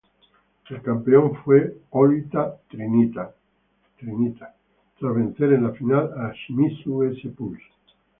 El campeón fue Oita Trinita, tras vencer en la final a Shimizu S-Pulse.